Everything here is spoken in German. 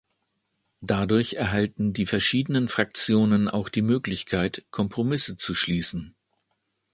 Dadurch erhalten die verschiedenen Fraktionen auch die Möglichkeit, Kompromisse zu schließen.